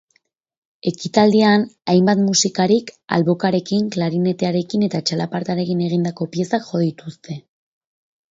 Ekitaldian hainbat musikarik albokarekin, klarinetearekin eta txalapartarekin egindako piezak jo dituzte.